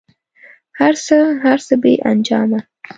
هر څه، هر څه بې انجامه